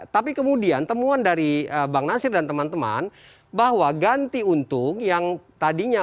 tapi kemudian temuan dari bang nasir dan teman teman bahwa ganti untung yang tadinya